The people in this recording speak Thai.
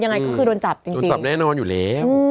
ยังไงก็คือโดนจับจริงจับแน่นอนอยู่แล้ว